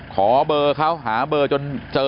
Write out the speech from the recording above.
ขอเบอร์เขาหาเบอร์จนเจอ